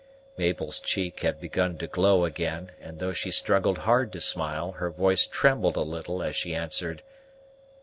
Mabel's cheek had begun to glow again; and though she struggled hard to smile, her voice trembled a little as she answered.